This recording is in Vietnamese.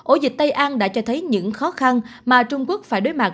ổ dịch tây an đã cho thấy những khó khăn mà trung quốc phải đối mặt